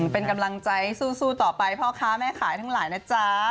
เป็นกำลังใจสู้ต่อไปพ่อค้าแม่ขายทั้งหลายนะจ๊ะ